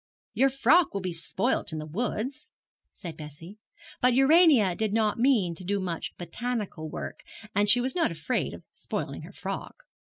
'Your frock will be spoilt in the woods,' said Bessie; but Urania did not mean to do much botanical work, and was not afraid of spoiling her frock.